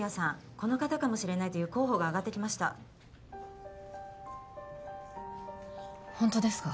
この方かもしれないという候補があがってきましたホントですか？